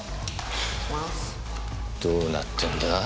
はぁどうなってんだ？